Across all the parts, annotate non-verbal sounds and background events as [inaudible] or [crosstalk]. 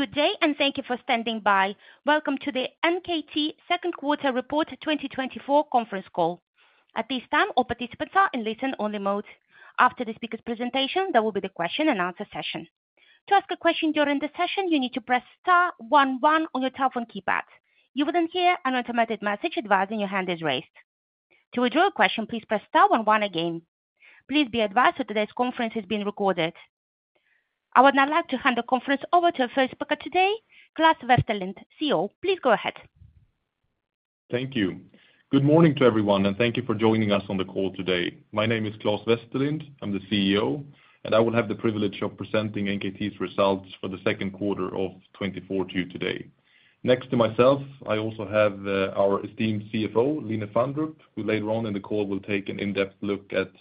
Good day, and thank you for standing by. Welcome to the NKT second quarter report, 2024 conference call. At this time, all participants are in listen-only mode. After the speaker's presentation, there will be the question and answer session. To ask a question during the session, you need to press star one one on your telephone keypad. You will then hear an automated message advising your hand is raised. To withdraw a question, please press star one one again. Please be advised that today's conference is being recorded. I would now like to hand the conference over to our first speaker today, Claes Westerlind, CEO. Please go ahead. Thank you. Good morning to everyone, and thank you for joining us on the call today. My name is Claes Westerlind, I'm the CEO, and I will have the privilege of presenting NKT's results for the second quarter of 2024 to you today. Next to myself, I also have our esteemed CFO, Line Fandrup, who later on in the call will take an in-depth look at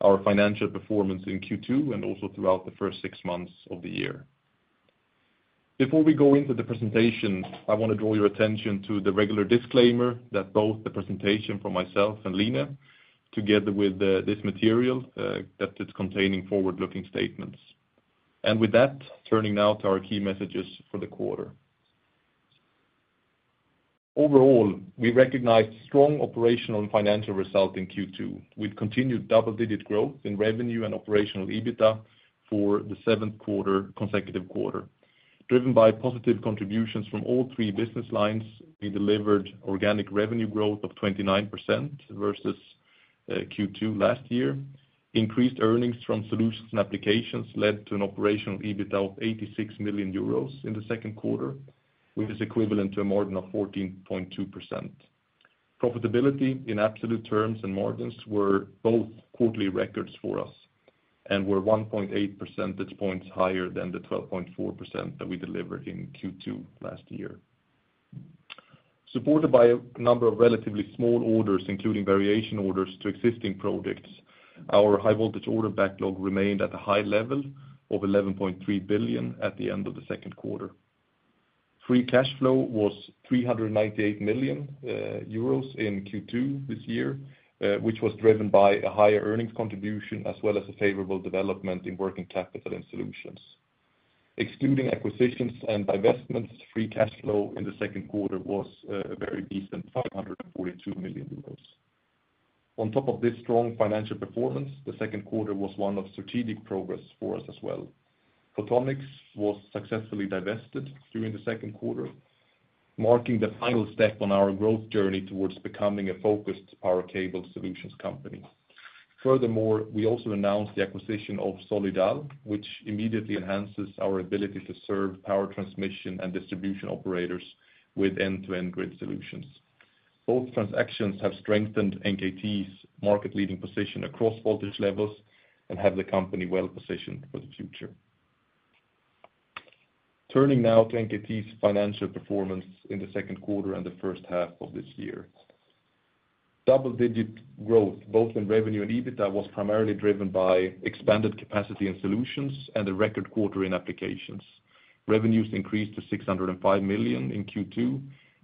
our financial performance in Q2 and also throughout the first six months of the year. Before we go into the presentation, I want to draw your attention to the regular disclaimer that both the presentation from myself and Line, together with this material that it's containing forward-looking statements. And with that, turning now to our key messages for the quarter. Overall, we recognized strong operational and financial results in Q2, with continued double-digit growth in revenue and operational EBITDA for the seventh quarter, consecutive quarter. Driven by positive contributions from all three business lines, we delivered organic revenue growth of 29% versus Q2 last year. Increased earnings from Solutions and Applications led to an operational EBITDA of 86 million euros in the second quarter, which is equivalent to a margin of 14.2%. Profitability in absolute terms and margins were both quarterly records for us and were 1.8 percentage points higher than the 12.4% that we delivered in Q2 last year. Supported by a number of relatively small orders, including variation orders to existing projects, our high voltage order backlog remained at a high level of 11.3 billion at the end of the second quarter. Free cash flow was 398 million euros in Q2 this year, which was driven by a higher earnings contribution, as well as a favorable development in working capital and Solutions. Excluding acquisitions and divestments, free cash flow in the second quarter was a very decent 542 million euros. On top of this strong financial performance, the second quarter was one of strategic progress for us as well. Photonics was successfully divested during the second quarter, marking the final step on our growth journey towards becoming a focused power cable Solutions company. Furthermore, we also announced the acquisition of Solidal, which immediately enhances our ability to serve power transmission and distribution operators with end-to-end grid Solutions. Both transactions have strengthened NKT's market-leading position across voltage levels and have the company well positioned for the future. Turning now to NKT's financial performance in the second quarter and the first half of this year. Double-digit growth, both in revenue and EBITDA, was primarily driven by expanded capacity and Solutions and a record quarter in Applications. Revenues increased to 605 million in Q2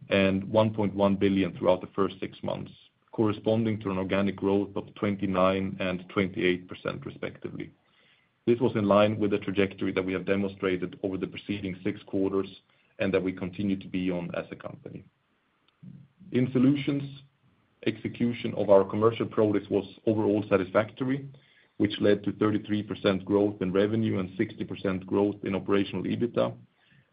and 1.1 billion throughout the first six months, corresponding to an organic growth of 29% and 28%, respectively. This was in line with the trajectory that we have demonstrated over the preceding six quarters and that we continue to be on as a company. In Solutions, execution of our commercial products was overall satisfactory, which led to 33% growth in revenue and 60% growth in operational EBITDA.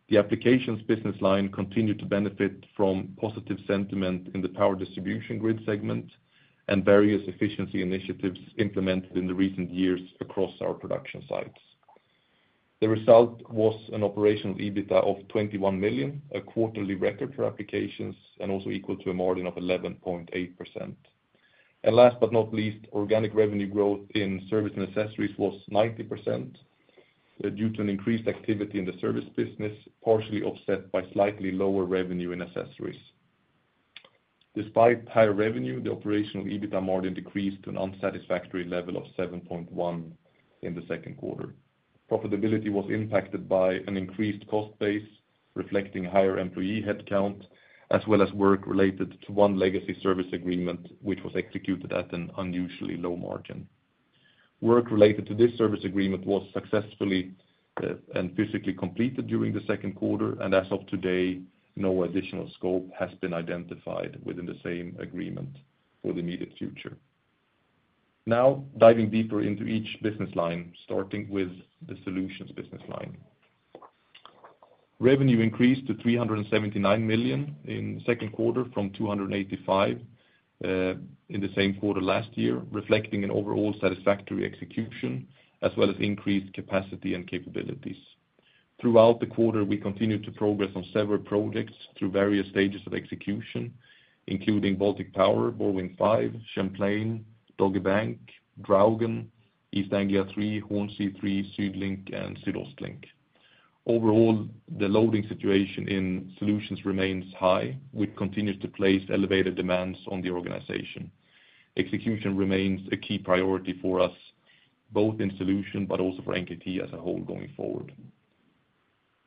The Applications business line continued to benefit from positive sentiment in the power distribution grid segment and various efficiency initiatives implemented in the recent years across our production sites. The result was an operational EBITDA of 21 million, a quarterly record for Applications, and also equal to a margin of 11.8%. And last but not least, organic revenue growth in Service and Accessories was 90%, due to an increased activity in the Service business, partially offset by slightly lower revenue in Accessories. Despite higher revenue, the operational EBITDA margin decreased to an unsatisfactory level of 7.1 in the second quarter. Profitability was impacted by an increased cost base, reflecting higher employee headcount, as well as work related to one legacy Service agreement, which was executed at an unusually low margin. Work related to this Service agreement was successfully and physically completed during the second quarter, and as of today, no additional scope has been identified within the same agreement for the immediate future. Now, diving deeper into each business line, starting with the Solutions business line. Revenue increased to 379 million in the second quarter from 285 million in the same quarter last year, reflecting an overall satisfactory execution, as well as increased capacity and capabilities. Throughout the quarter, we continued to progress on several projects through various stages of execution, including Baltic Power, BorWin5, Champlain, Dogger Bank, Draugen, East Anglia Three, Hornsea 3, SüdLink, and SüdOstLink. Overall, the loading situation in Solutions remains high, which continues to place elevated demands on the organization. Execution remains a key priority for us, both in solution but also for NKT as a whole going forward.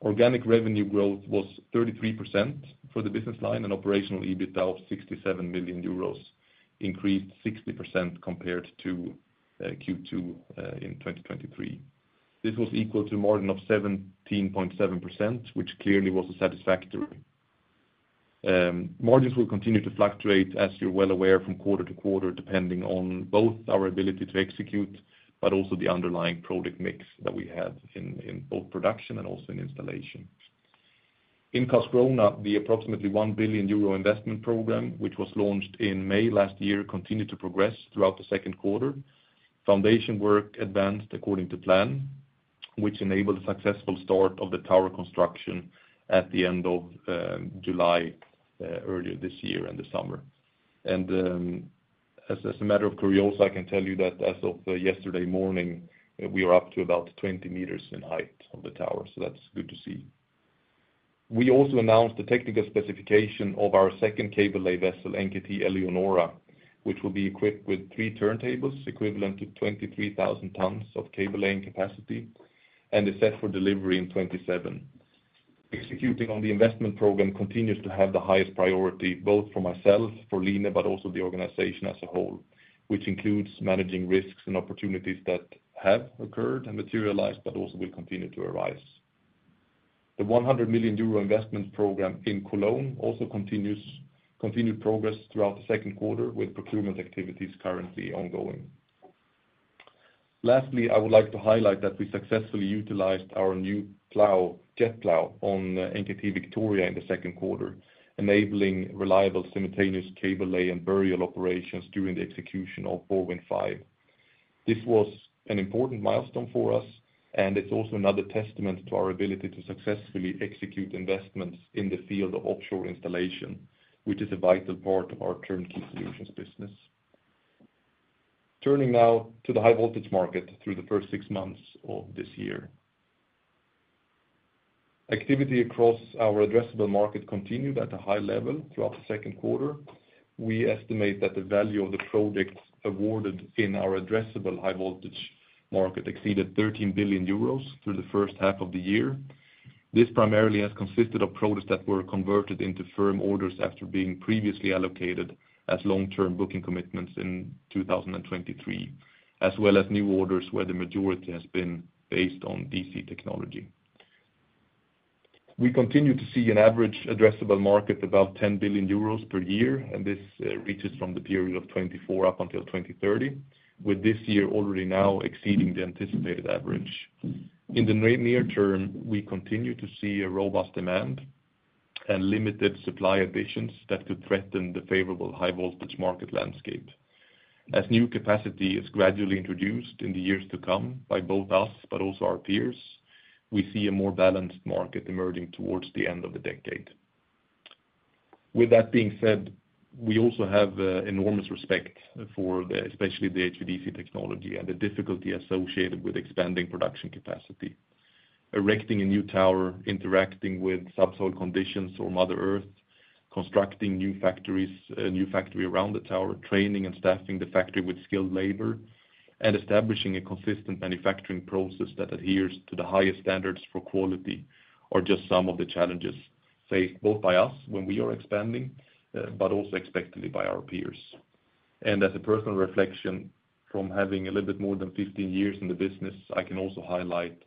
Organic revenue growth was 33% for the business line and operational EBITDA of 67 million euros increased 60% compared to Q2 in 2023. This was equal to margin of 17.7%, which clearly was a satisfactory. Margins will continue to fluctuate, as you're well aware, from quarter to quarter, depending on both our ability to execute, but also the underlying product mix that we have in both production and also in installation. In Karlskrona, the approximately 1 billion euro investment program, which was launched in May last year, continued to progress throughout the second quarter. Foundation work advanced according to plan, which enabled a successful start of the tower construction at the end of July earlier this year in the summer. And, as a matter of curiosity, I can tell you that as of yesterday morning, we are up to about 20 meters in height of the tower, so that's good to see. We also announced the technical specification of our second cable lay vessel, NKT Eleonora, which will be equipped with 3 turntables, equivalent to 23,000 tons of cable laying capacity and is set for delivery in 2027. Executing on the investment program continues to have the highest priority, both for myself, for Line, but also the organization as a whole, which includes managing risks and opportunities that have occurred and materialized, but also will continue to arise. The 100 million euro investment program in Cologne also continued progress throughout the second quarter, with procurement activities currently ongoing. Lastly, I would like to highlight that we successfully utilized our new plow, jet plow, on NKT Victoria in the second quarter, enabling reliable simultaneous cable lay and burial operations during the execution of BorWin5. This was an important milestone for us, and it's also another testament to our ability to successfully execute investments in the field of offshore installation, which is a vital part of our turnkey Solutions business. Turning now to the high voltage market through the first six months of this year. Activity across our addressable market continued at a high level throughout the second quarter. We estimate that the value of the projects awarded in our addressable high voltage market exceeded 13 billion euros through the first half of the year. This primarily has consisted of products that were converted into firm orders after being previously allocated as long-term booking commitments in 2023, as well as new orders where the majority has been based on DC technology. We continue to see an average addressable market, about 10 billion euros per year, and this reaches from the period of 2024 up until 2030, with this year already now exceeding the anticipated average. In the near term, we continue to see a robust demand and limited supply additions that could threaten the favorable high voltage market landscape. As new capacity is gradually introduced in the years to come by both us but also our peers, we see a more balanced market emerging towards the end of the decade. With that being said, we also have enormous respect for the, especially the HVDC technology and the difficulty associated with expanding production capacity. Erecting a new tower, interacting with subsoil conditions or Mother Earth, constructing new factories, a new factory around the tower, training and staffing the factory with skilled labor, and establishing a consistent manufacturing process that adheres to the highest standards for quality, are just some of the challenges faced both by us when we are expanding, but also expectedly by our peers. As a personal reflection, from having a little bit more than 15 years in the business, I can also highlight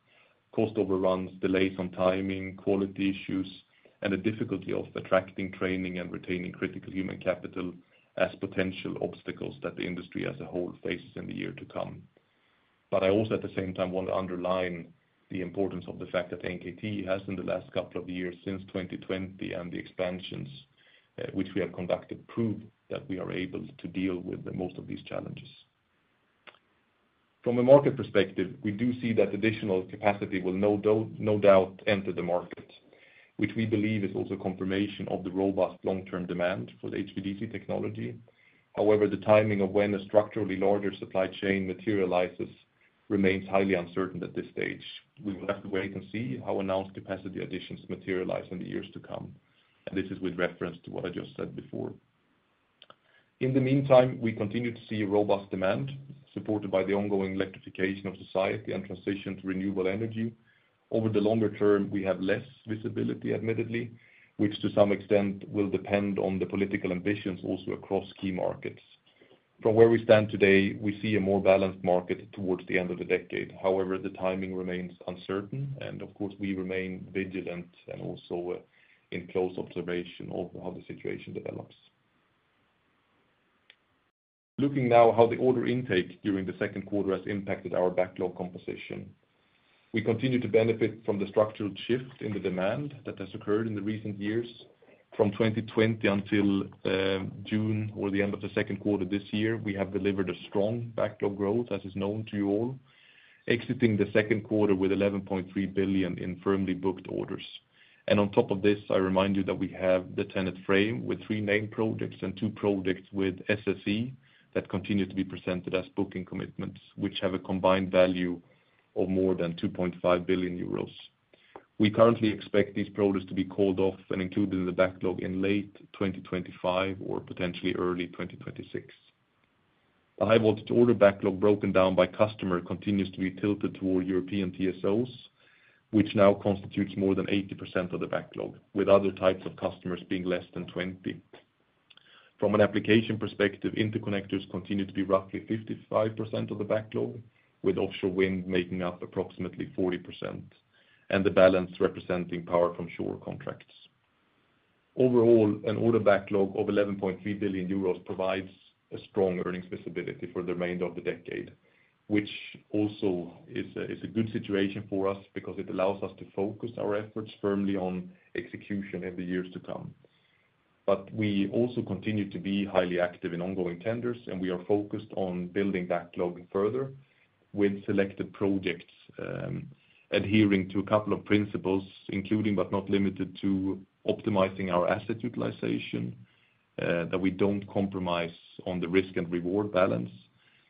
cost overruns, delays on timing, quality issues, and the difficulty of attracting, training, and retaining critical human capital as potential obstacles that the industry as a whole faces in the year to come. But I also, at the same time, want to underline the importance of the fact that NKT has, in the last couple of years, since 2020, and the expansions, which we have conducted, prove that we are able to deal with most of these challenges. From a market perspective, we do see that additional capacity will no doubt enter the market, which we believe is also confirmation of the robust long-term demand for the HVDC technology. However, the timing of when a structurally larger supply chain materializes remains highly uncertain at this stage. We will have to wait and see how announced capacity additions materialize in the years to come, and this is with reference to what I just said before. In the meantime, we continue to see robust demand, supported by the ongoing electrification of society and transition to renewable energy. Over the longer term, we have less visibility, admittedly, which to some extent will depend on the political ambitions also across key markets. From where we stand today, we see a more balanced market towards the end of the decade. However, the timing remains uncertain, and of course, we remain vigilant and also in close observation of how the situation develops. Looking now how the order intake during the second quarter has impacted our backlog composition. We continue to benefit from the structural shift in the demand that has occurred in the recent years. From 2020 until June or the end of the second quarter this year, we have delivered a strong backlog growth, as is known to you all, exiting the second quarter with 11.3 billion in firmly booked orders. On top of this, I remind you that we have the TenneT frame with three main projects and two projects with SSE that continue to be presented as booking commitments, which have a combined value of more than 2.5 billion euros. We currently expect these products to be called off and included in the backlog in late 2025 or potentially early 2026. The high voltage order backlog broken down by customer continues to be tilted toward European TSOs, which now constitutes more than 80% of the backlog, with other types of customers being less than 20%. From an application perspective, interconnectors continue to be roughly 55% of the backlog, with offshore wind making up approximately 40%, and the balance representing power from shore contracts. Overall, an order backlog of 11.3 billion euros provides a strong earnings visibility for the remainder of the decade, which also is a good situation for us because it allows us to focus our efforts firmly on execution in the years to come. But we also continue to be highly active in ongoing tenders, and we are focused on building backlog further with selected projects, adhering to a couple of principles, including, but not limited to, optimizing our asset utilization, that we don't compromise on the risk and reward balance.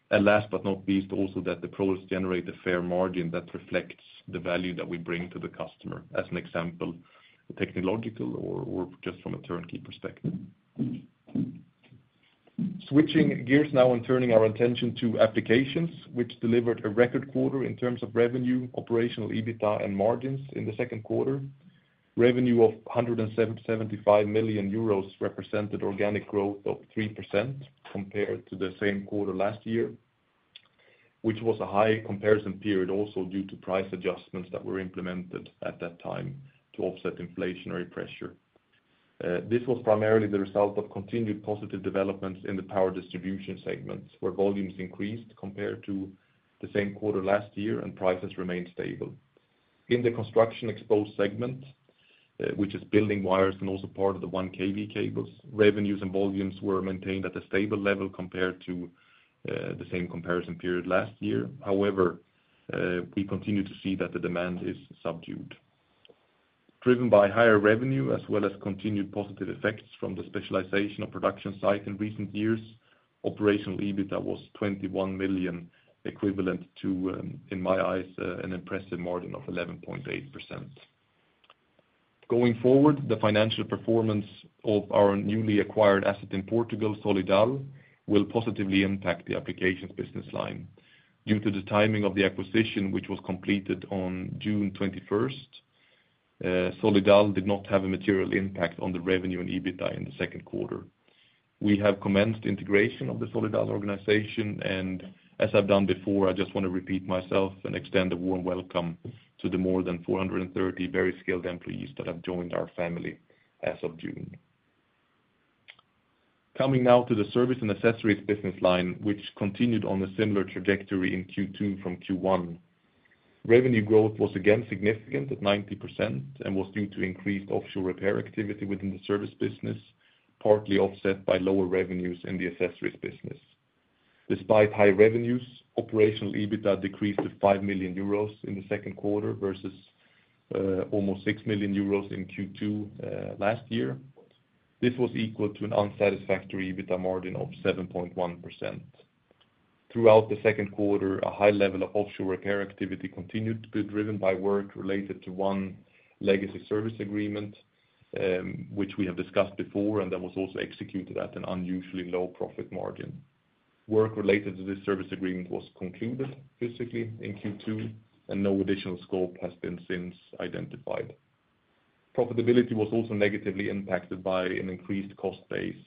And last but not least, also that the projects generate a fair margin that reflects the value that we bring to the customer, as an example, technological or just from a turnkey perspective. Switching gears now and turning our attention to Applications, which delivered a record quarter in terms of revenue, operational EBITDA, and margins in the second quarter. Revenue of 175 million euros represented organic growth of 3% compared to the same quarter last year, which was a high comparison period, also due to price adjustments that were implemented at that time to offset inflationary pressure. This was primarily the result of continued positive developments in the power distribution segments, where volumes increased compared to the same quarter last year, and prices remained stable. In the construction exposed segment, which is building wires and also part of the 1 kV cables, revenues and volumes were maintained at a stable level compared to the same comparison period last year. However, we continue to see that the demand is subdued. Driven by higher revenue as well as continued positive effects from the specialization of production site in recent years, operational EBITDA was 21 million, equivalent to, in my eyes, an impressive margin of 11.8%. Going forward, the financial performance of our newly acquired asset in Portugal, Solidal, will positively impact the Applications business line. Due to the timing of the acquisition, which was completed on June 21, Solidal did not have a material impact on the revenue and EBITDA in the second quarter. We have commenced integration of the Solidal organization, and as I've done before, I just want to repeat myself and extend a warm welcome to the more than 430 very skilled employees that have joined our family as of June. Coming now to the Service and Accessories business line, which continued on a similar trajectory in Q2 from Q1. Revenue growth was again significant at 90% and was due to increased offshore repair activity within the Service business, partly offset by lower revenues in the Accessories business. Despite high revenues, operational EBITDA decreased to 5 million euros in the second quarter versus almost 6 million euros in Q2 last year. This was equal to an unsatisfactory EBITDA margin of 7.1%. Throughout the second quarter, a high level of offshore repair activity continued to be driven by work related to one legacy Service agreement, which we have discussed before, and that was also executed at an unusually low profit margin. Work related to this Service agreement was concluded physically in Q2, and no additional scope has been since identified. Profitability was also negatively impacted by an increased cost base,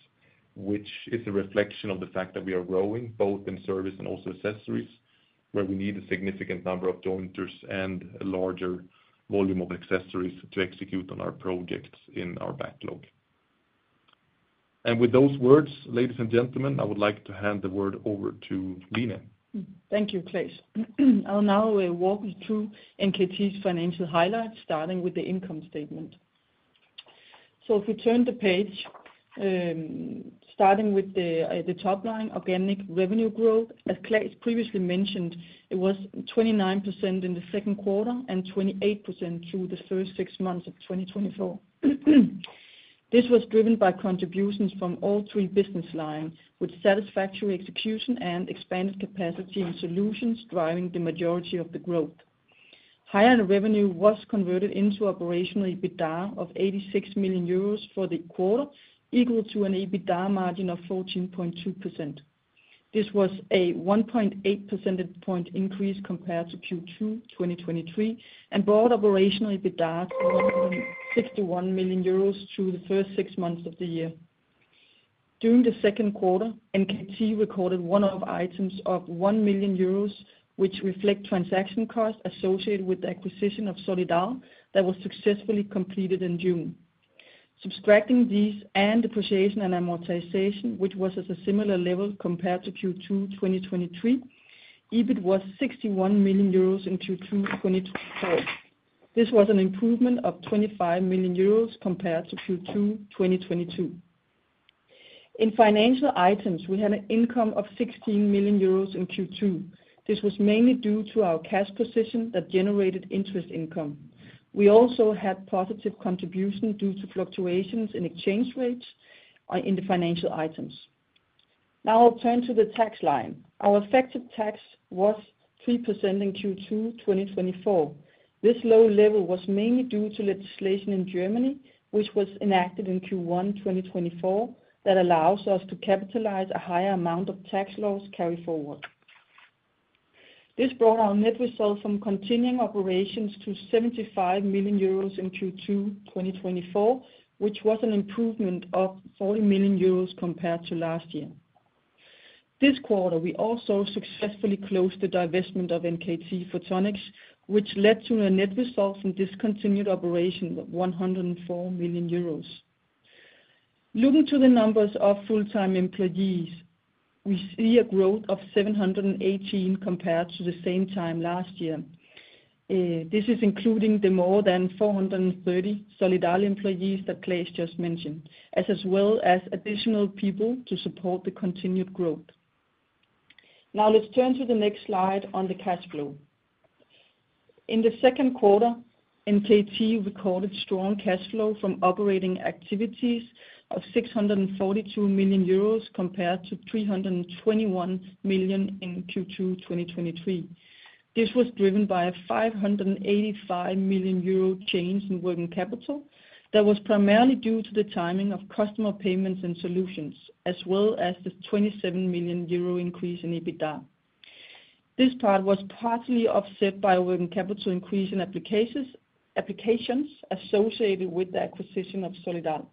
which is a reflection of the fact that we are growing both in Service and also Accessories, where we need a significant number of jointers and a larger volume of Accessories to execute on our projects in our backlog. And with those words, ladies and gentlemen, I would like to hand the word over to Line. Thank you, Claes. I'll now walk you through NKT's financial highlights, starting with the income statement. So if we turn the page, starting with the top line, organic revenue growth. As Claes previously mentioned, it was 29% in the second quarter and 28% through the first six months of 2024. This was driven by contributions from all three business lines, with satisfactory execution and expanded capacity and Solutions driving the majority of the growth. Higher revenue was converted into operational EBITDA of 86 million euros for the quarter, equal to an EBITDA margin of 14.2%. This was a 1.8 percentage point increase compared to Q2 2023, and brought operational EBITDA, 61 million euros through the first six months of the year. During the second quarter, NKT recorded one-off items of 1 million euros, which reflect transaction costs associated with the acquisition of Solidal that was successfully completed in June. Subtracting these and depreciation and amortization, which was at a similar level compared to Q2 2023, EBIT was 61 million euros in Q2 2024. This was an improvement of 25 million euros compared to Q2 2022. In financial items, we had an income of 16 million euros in Q2. This was mainly due to our cash position that generated interest income. We also had positive contribution due to fluctuations in exchange rates in the financial items. Now, I'll turn to the tax line. Our effective tax was 3% in Q2 2024. This low level was mainly due to legislation in Germany, which was enacted in Q1 2024, that allows us to capitalize a higher amount of tax loss carry forward. This brought our net result from continuing operations to 75 million euros in Q2 2024, which was an improvement of 40 million euros compared to last year. This quarter, we also successfully closed the divestment of NKT Photonics, which led to a net result from discontinued operation of 104 million euros. Looking to the numbers of full-time employees, we see a growth of 718 compared to the same time last year. This is including the more than 430 Solidal employees that Claes just mentioned, as well as additional people to support the continued growth. Now, let's turn to the next slide on the cash flow. In the second quarter, NKT recorded strong cash flow from operating activities of 642 million euros, compared to 321 million in Q2 2023. This was driven by a 585 million euro change in working capital. That was primarily due to the timing of customer payments and Solutions, as well as the 27 million euro increase in EBITDA. This part was partly offset by working capital increase in Applications, Applications associated with the acquisition of Solidal.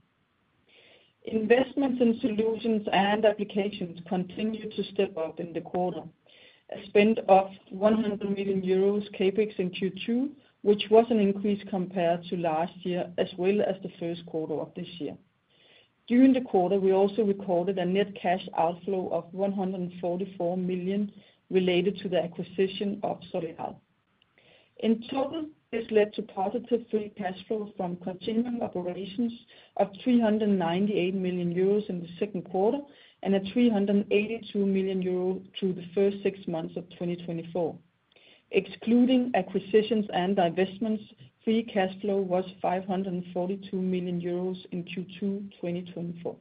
Investments in Solutions and Applications continued to step up in the quarter, a spend of 100 million euros CapEx in Q2, which was an increase compared to last year, as well as the first quarter of this year. During the quarter, we also recorded a net cash outflow of 144 million related to the acquisition of Solidal. In total, this led to positive free cash flow from continuing operations of 398 million euros in the second quarter, and 382 million euros through the first six months of 2024. Excluding acquisitions and divestments, free cash flow was 542 million euros in Q2 2024.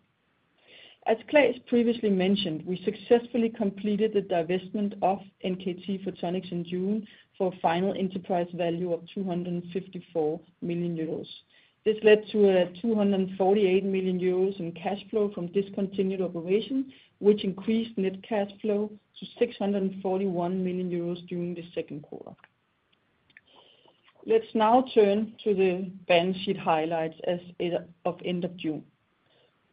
As Claes previously mentioned, we successfully completed the divestment of NKT Photonics in June, for a final enterprise value of 254 million euros. This led to 248 million euros in cash flow from discontinued operation, which increased net cash flow to 641 million euros during the second quarter. Let's now turn to the balance sheet highlights as at the end of June.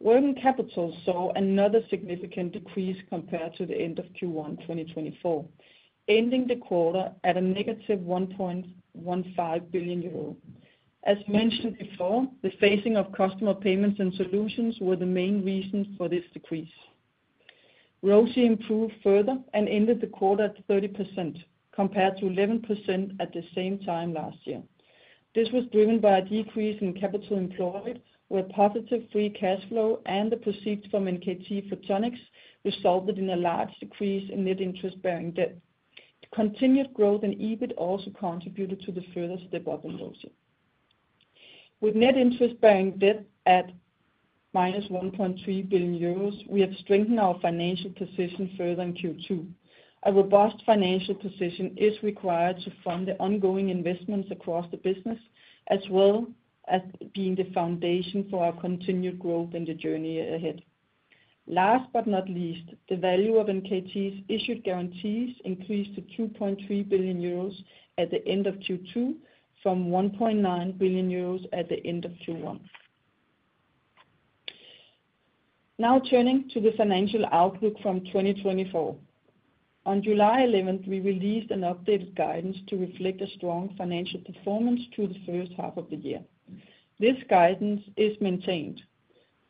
Working capital saw another significant decrease compared to the end of Q1, 2024, ending the quarter at -1.15 billion euro. As mentioned before, the phasing of customer payments and Solutions were the main reasons for this decrease. ROCE improved further and ended the quarter at 30%, compared to 11% at the same time last year. This was driven by a decrease in capital employed, where positive free cash flow and the proceeds from NKT Photonics resulted in a large decrease in net interest-bearing debt. The continued growth in EBIT also contributed to the further step up in ROCE. With net interest-bearing debt at -1.3 billion euros, we have strengthened our financial position further in Q2. A robust financial position is required to fund the ongoing investments across the business, as well as being the foundation for our continued growth in the journey ahead. Last but not least, the value of NKT's issued guarantees increased to 2.3 billion euros at the end of Q2, from 1.9 billion euros at the end of Q1. Now, turning to the financial outlook from 2024. On July 11, we released an updated guidance to reflect a strong financial performance through the first half of the year. This guidance is maintained.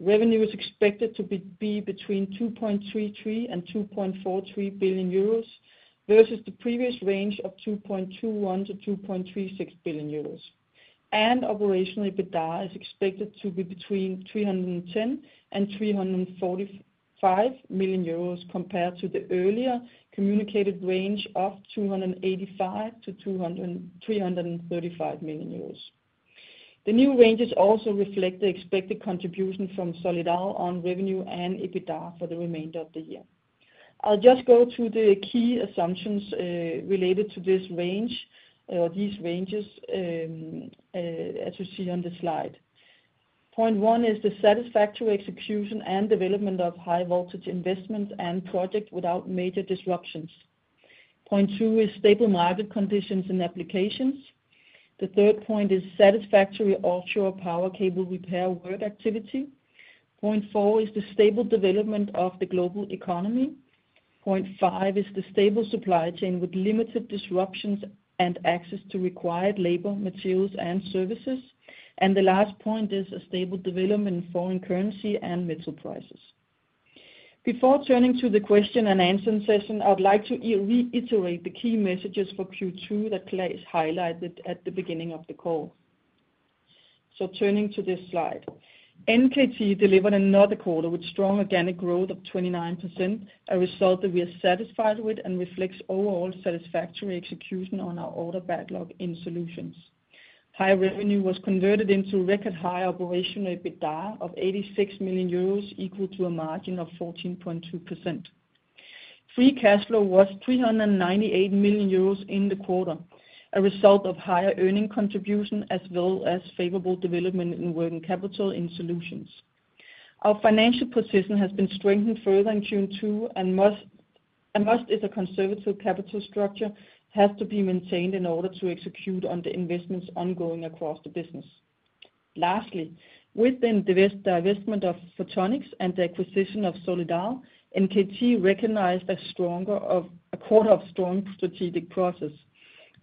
Revenue is expected to be between 2.33 billion and 2.43 billion euros, versus the previous range of 2.21-2.36 billion euros. Operational EBITDA is expected to be between 310 million and 345 million euros, compared to the earlier communicated range of 285 million-335 million euros. The new ranges also reflect the expected contribution from Solidal on revenue and EBITDA for the remainder of the year. I'll just go through the key assumptions related to this range, these ranges, as you see on the slide. Point 1 is the satisfactory execution and development of high-voltage investments and projects without major disruptions. Point 2 is stable market conditions and Applications. The 3rd point is satisfactory offshore power cable repair work activity. Point 4 is the stable development of the global economy. Point 5 is the stable supply chain with limited disruptions and access to required labor, materials, and services. The last point is a stable development in foreign currency and metal prices. Before turning to the question and answer session, I would like to re-reiterate the key messages for Q2 that Claes highlighted at the beginning of the call. Turning to this slide. NKT delivered another quarter with strong organic growth of 29%, a result that we are satisfied with, and reflects overall satisfactory execution on our order backlog in Solutions. Higher revenue was converted into record high operational EBITDA of 86 million euros, equal to a margin of 14.2%. Free cash flow was 398 million euros in the quarter, a result of higher earning contribution, as well as favorable development in working capital in Solutions. Our financial position has been strengthened further in Q2, and must, as a conservative capital structure, has to be maintained in order to execute on the investments ongoing across the business. Lastly, with the divestment of Photonics and the acquisition of Solidal, NKT recognized a quarter of strong strategic progress.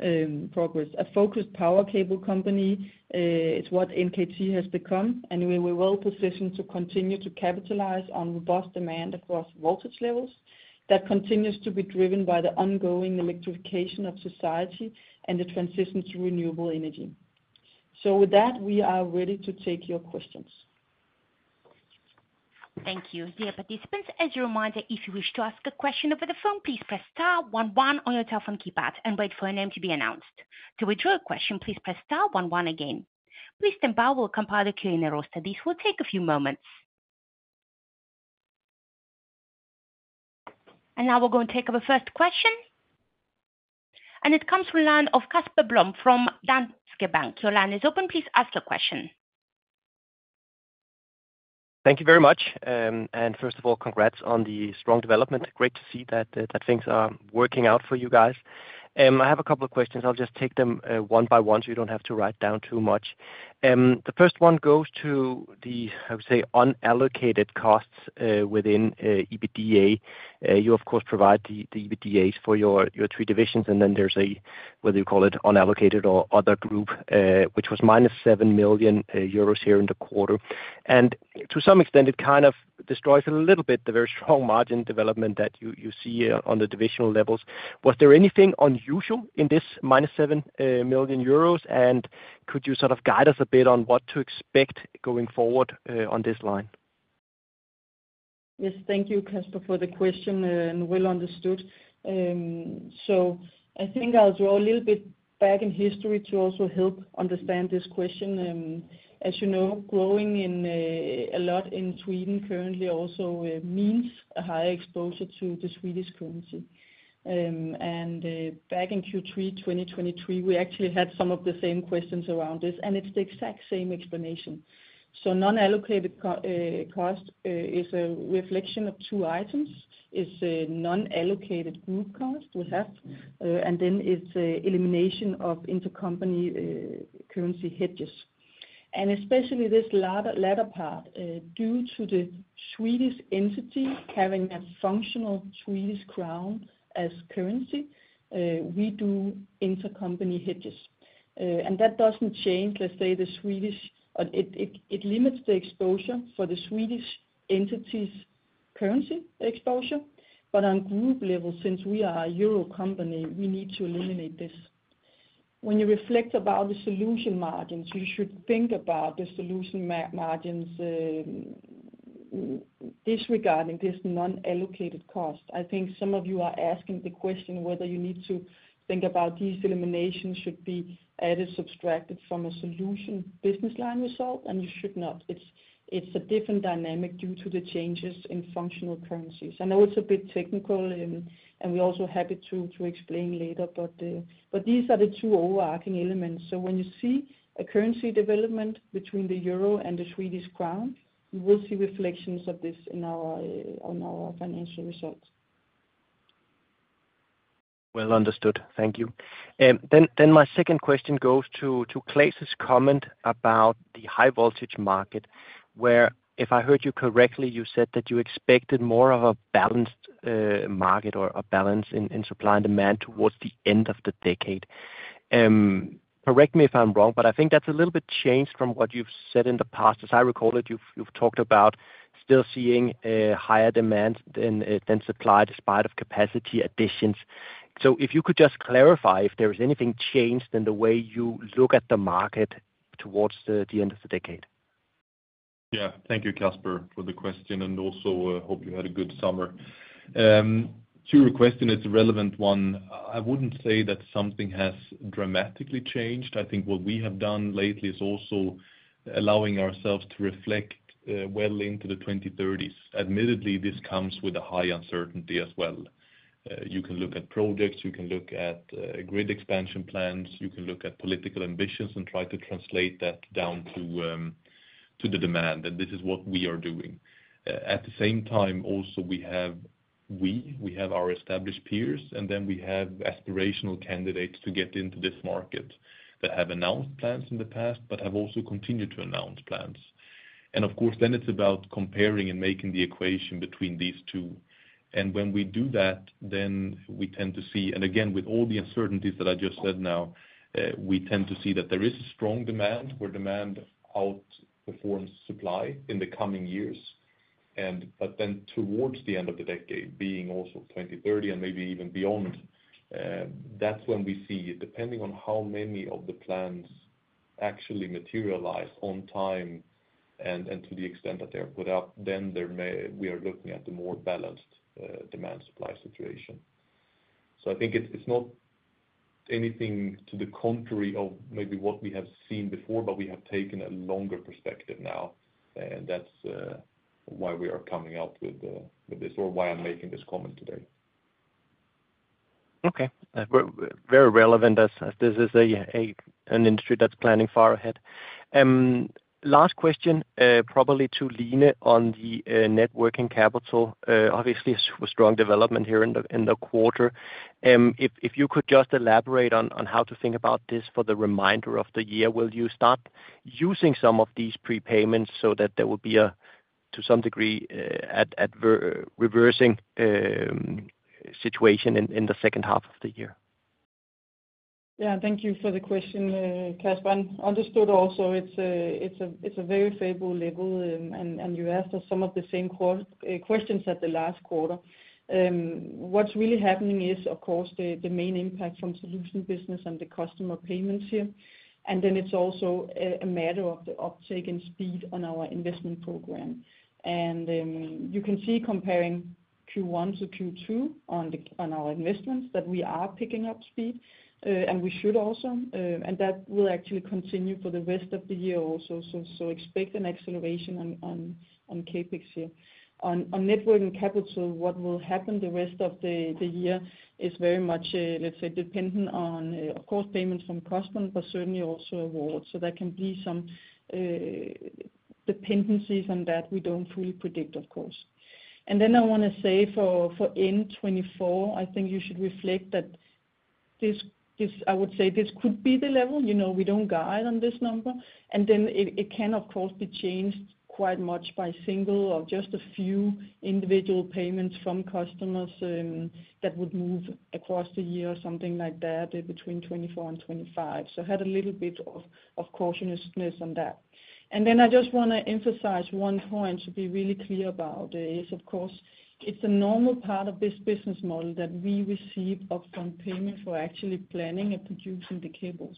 A focused power cable company is what NKT has become, and we were well-positioned to continue to capitalize on robust demand across voltage levels that continues to be driven by the ongoing electrification of society and the transition to renewable energy. So with that, we are ready to take your questions. Thank you. Dear participants, as a reminder, if you wish to ask a question over the phone, please press star one one on your telephone keypad and wait for your name to be announced. To withdraw a question, please press star one one again. Please stand by, we'll compile the queue in a roster. This will take a few moments. Now we're going to take our first question, and it comes from the line of Casper Blom from Danske Bank. Your line is open. Please ask your question. Thank you very much. And first of all, congrats on the strong development. Great to see that, that things are working out for you guys. I have a couple of questions. I'll just take them, one by one, so you don't have to write down too much. The first one goes to the, I would say, unallocated costs, within, EBITDA. You of course provide the, EBITDAs for your, 3 divisions, and then there's a, whether you call it unallocated or other group, which was minus 7 million euros here in the quarter. To some extent, it kind of destroys it a little bit, the very strong margin development that you see on the divisional levels. Was there anything unusual in this minus 7 million euros? Could you sort of guide us a bit on what to expect going forward, on this line? Yes, thank you, Casper, for the question, and well understood. So I think I'll draw a little bit back in history to also help understand this question. As you know, growing a lot in Sweden currently also means a higher exposure to the Swedish currency. And back in Q3 2023, we actually had some of the same questions around this, and it's the exact same explanation. So non-allocated cost is a reflection of two items. It's a non-allocated group cost we have, and then it's an elimination of intercompany currency hedges. And especially this latter part, due to the Swedish entity having a functional Swedish krona as currency, we do intercompany hedges. And that doesn't change, let's say, the Swedish it limits the exposure for the Swedish entity's currency exposure. But on group level, since we are a euro company, we need to eliminate this. When you reflect about the solution margins, you should think about the solution margins, disregarding this non-allocated cost. I think some of you are asking the question whether you need to think about these eliminations should be added, subtracted from a solution business line result, and you should not. It's, it's a different dynamic due to the changes in functional currencies. I know it's a bit technical, and we're also happy to, to explain later, but, but these are the two overarching elements. So when you see a currency development between the euro and the Swedish krona, you will see reflections of this in our, on our financial results. Well understood. Thank you. Then my second question goes to Claes's comment about the high voltage market, where, if I heard you correctly, you said that you expected more of a balanced market or a balance in supply and demand towards the end of the decade. Correct me if I'm wrong, but I think that's a little bit changed from what you've said in the past. As I recall it, you've talked about still seeing a higher demand than supply despite of capacity additions. So if you could just clarify if there is anything changed in the way you look at the market towards the end of the decade. Yeah. Thank you, Casper, for the question, and also, hope you had a good summer. To your question, it's a relevant one. I wouldn't say that something has dramatically changed. I think what we have done lately is also allowing ourselves to reflect, well into the 2030s. Admittedly, this comes with a high uncertainty as well. You can look at projects, you can look at grid expansion plans, you can look at political ambitions and try to translate that down to the demand, and this is what we are doing. At the same time, also, we have our established peers, and then we have aspirational candidates to get into this market that have announced plans in the past but have also continued to announce plans. Of course, then it's about comparing and making the equation between these two. When we do that, then we tend to see, and again, with all the uncertainties that I just said now, we tend to see that there is a strong demand, where demand outperforms supply in the coming years. But then towards the end of the decade, being also 2030 and maybe even beyond, that's when we see, depending on how many of the plans actually materialize on time and to the extent that they're put out, then we are looking at a more balanced demand supply situation. So I think it's not anything to the contrary of maybe what we have seen before, but we have taken a longer perspective now, and that's why we are coming out with this or why I'm making this comment today. Okay, we're very relevant as this is an industry that's planning far ahead. Last question, probably to Line on the net working capital, obviously a strong development here in the quarter. If you could just elaborate on how to think about this for the remainder of the year. Will you start using some of these prepayments so that there will be a, to some degree, reversing situation in the second half of the year? Yeah, thank you for the question, Casper. And understood also, it's a very favorable level, and you asked us some of the same questions at the last quarter. What's really happening is, of course, the main impact from solution business and the customer payments here. And then it's also a matter of the uptake and speed on our investment program. And you can see comparing Q1 to Q2 on our investments, that we are picking up speed, and we should also. And that will actually continue for the rest of the year also. So expect an acceleration on CapEx here. On net working capital, what will happen the rest of the year is very much, let's say, dependent on, of course, payments from customers, but certainly also awards. So there can be some dependencies on that we don't fully predict, of course. And then I wanna say for 2024, I think you should reflect that this—I would say this could be the level, you know, we don't guide on this number. And then it can, of course, be changed quite much by single or just a few individual payments from customers, that would move across the year, something like that, between 2024 and 2025. So have a little bit of cautiousness on that. And then I just wanna emphasize one point to be really clear about is, of course, it's a normal part of this business model that we receive upfront payment for actually planning and producing the cables.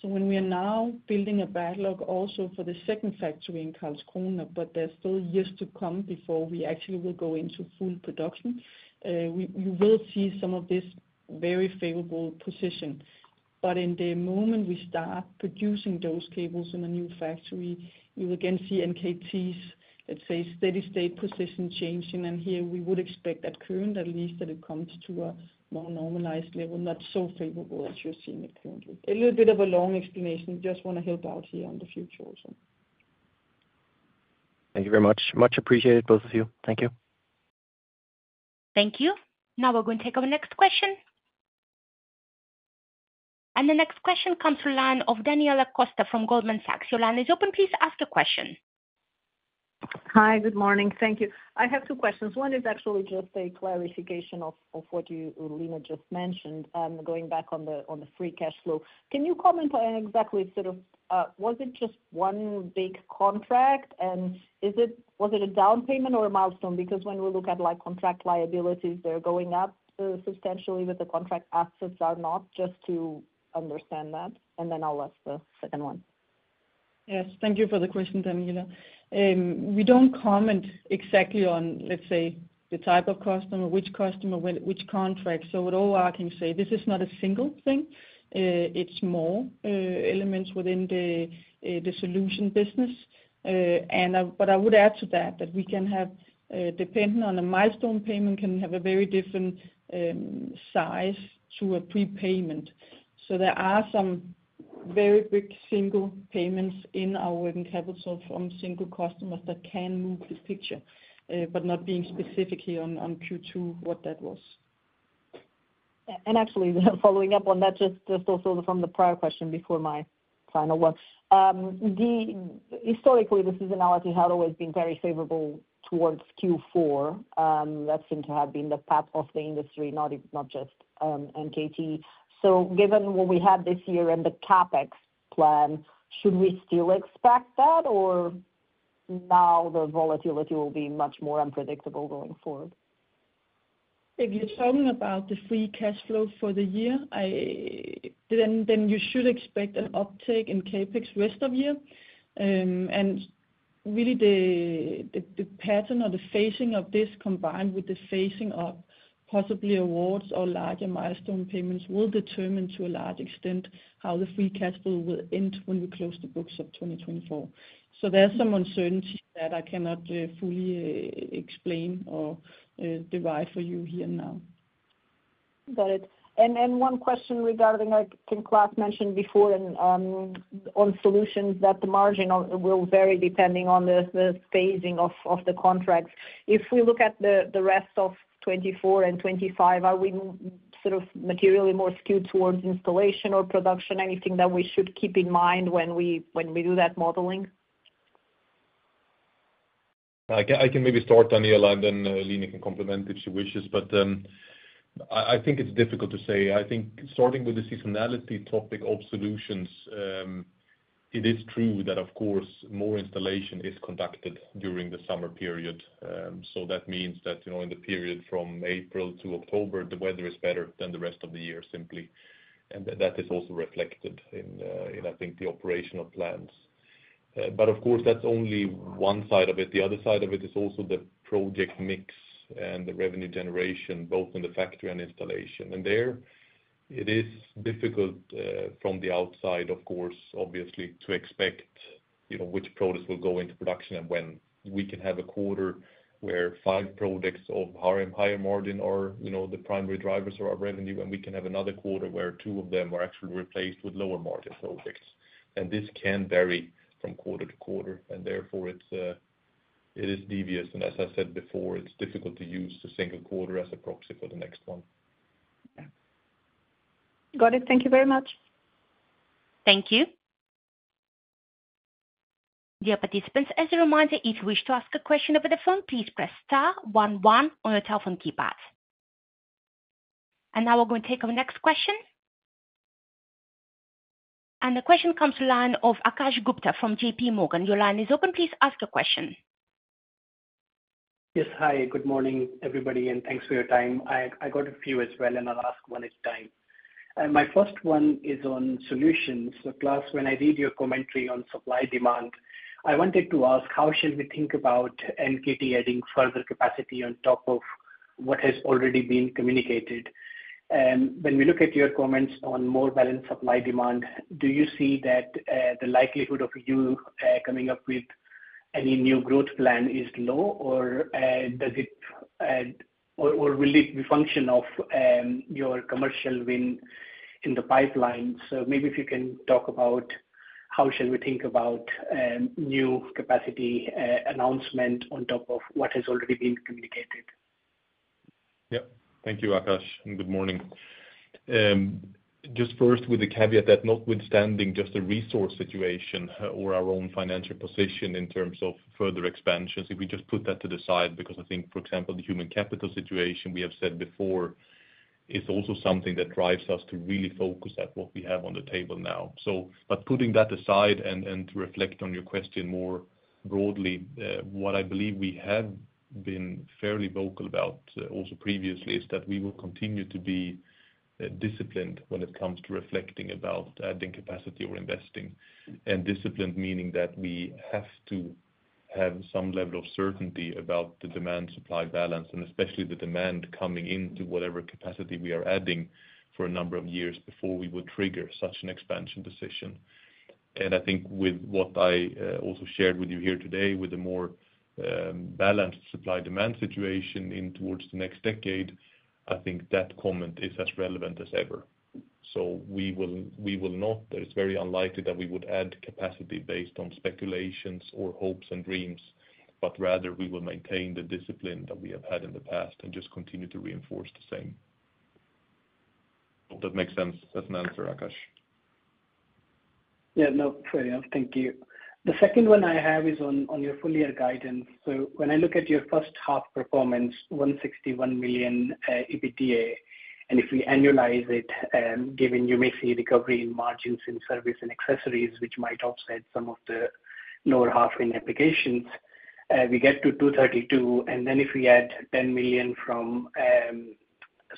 So when we are now building a backlog also for the second factory in Karlskrona, but there's still years to come before we actually will go into full production, we, you will see some of this very favorable position. But in the moment we start producing those cables in a new factory, you will again see NKT's, let's say, steady state position changing, and here we would expect that current, at least, that it comes to a more normalized level, not so favorable as you're seeing it currently. A little bit of a long explanation, just wanna help out here on the future also. Thank you very much. Much appreciated, both of you. Thank you. Thank you. Now we're going to take our next question. The next question comes to line of Daniela Costa from Goldman Sachs. Your line is open, please ask the question. Hi, good morning. Thank you. I have two questions. One is actually just a clarification of what you, Line, just mentioned, going back on the free cash flow. Can you comment on exactly, sort of, was it just one big contract, and is it—was it a down payment or a milestone? Because when we look at, like, contract liabilities, they're going up substantially, but the contract assets are not. Just to understand that, and then I'll ask the second one. Yes, thank you for the question, Daniela. We don't comment exactly on, let's say, the type of customer, which customer, when, which contract. So what all I can say, this is not a single thing. It's more, elements within the, the solution business. And, but I would add to that, that we can have, dependent on the milestone payment, can have a very different, size to a prepayment. So there are some very big single payments in our working capital from single customers that can move this picture, but not being specifically on, on Q2, what that was. And actually, following up on that, just also from the prior question before my final one. Historically, the seasonality had always been very favorable towards Q4. That seemed to have been the path of the industry, not just NKT. So given what we have this year and the CapEx plan, should we still expect that, or now the volatility will be much more unpredictable going forward? If you're talking about the free cash flow for the year, then you should expect an uptake in CapEx rest of year. And really, the pattern or the phasing of this, combined with the phasing of possibly awards or larger milestone payments, will determine, to a large extent, how the free cash flow will end when we close the books of 2024. So there's some uncertainty that I cannot fully explain or divide for you here now. Got it. And one question regarding, like, I think Claes mentioned before and on Solutions, that the margin will vary depending on the phasing of the contracts. If we look at the rest of 2024 and 2025, are we sort of materially more skewed towards installation or production? Anything that we should keep in mind when we do that modeling? I can, I can maybe start, Daniela, and then, Line can complement if she wishes. But, I, I think it's difficult to say. I think starting with the seasonality topic of Solutions, it is true that, of course, more installation is conducted during the summer period. So that means that, you know, in the period from April to October, the weather is better than the rest of the year, simply, and that is also reflected in, in, I think, the operational plans. But of course, that's only one side of it. The other side of it is also the project mix and the revenue generation, both in the factory and installation. It is difficult, from the outside, of course, obviously, to expect, you know, which products will go into production and when. We can have a quarter where five products of higher and higher margin are, you know, the primary drivers of our revenue, and we can have another quarter where two of them are actually replaced with lower margin products. And this can vary from quarter to quarter, and therefore it's devious, and as I said before, it's difficult to use the single quarter as a proxy for the next one. Got it. Thank you very much. Thank you. Dear participants, as a reminder, if you wish to ask a question over the phone, please press star one one on your telephone keypad. Now we're going to take our next question. The question comes to line of Akash Gupta from J.P. Morgan. Your line is open, please ask a question. Yes. Hi, good morning, everybody, and thanks for your time. I, I got a few as well, and I'll ask one at a time. My first one is on Solutions. So Claes, when I read your commentary on supply-demand, I wanted to ask, how should we think about NKT adding further capacity on top of what has already been communicated? And when we look at your comments on more balanced supply-demand, do you see that the likelihood of you coming up with any new growth plan is low, or does it, or will it be function of your commercial win in the pipeline? So maybe if you can talk about how should we think about new capacity announcement on top of what has already been communicated. Yeah. Thank you, Akash, and good morning. Just first, with the caveat that notwithstanding just the resource situation or our own financial position in terms of further expansions, if we just put that to the side, because I think, for example, the human capital situation, we have said before, is also something that drives us to really focus at what we have on the table now. So, but putting that aside, and to reflect on your question more broadly, what I believe we have been fairly vocal about also previously, is that we will continue to be disciplined when it comes to reflecting about adding capacity or investing. Disciplined, meaning that we have to have some level of certainty about the demand-supply balance, and especially the demand coming into whatever capacity we are adding for a number of years before we would trigger such an expansion decision. I think with what I also shared with you here today, with a more balanced supply-demand situation in towards the next decade, I think that comment is as relevant as ever. So we will, we will not, that it's very unlikely that we would add capacity based on speculations or hopes and dreams, but rather we will maintain the discipline that we have had in the past and just continue to reinforce the same. Hope that makes sense as an answer, Akash. Yeah, no, fair enough. Thank you. The second one I have is on your full year guidance. So when I look at your first half performance, 161 million EBITDA, and if we annualize it, given you may see recovery in margins in Service and Accessories, which might offset some of the lower half in Applications, we get to 232, and then if we add 10 million from